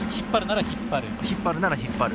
引っ張るなら引っ張る。